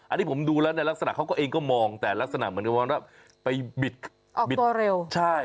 อันนี้ผมดูแล้วลักษณะเขาเองก็มองแต่ลักษณะเหมือนกันว่า